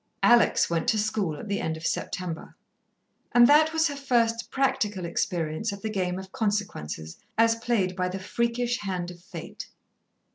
Alex went to school at the end of September. And that was her first practical experience of the game of Consequences, as played by the freakish hand of fate.